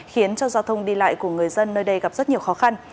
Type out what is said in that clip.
khiến cho giao thông đi lại của người dân nơi đây gặp rất nhiều khó khăn